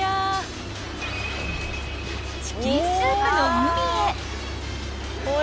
［チキンスープの海へ］